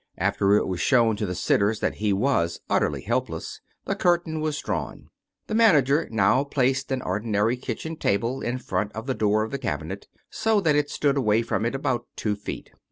After it was shown to the sitters that he was utterly helpless, the curtain was drawn. The manager now placed an ordinary kitchen table in front of the door of the cabinet, so that it stood away from it about two feet.